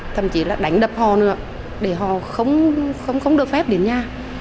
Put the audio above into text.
thậm chí là đánh đập họ nữa để họ không được phép đến nhà